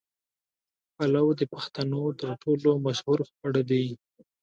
پلو د پښتنو تر ټولو مشهور خواړه دي.